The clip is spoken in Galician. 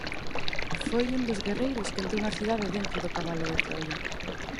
Foi un dos guerreiros que entrou na cidade dentro do cabalo de Troia.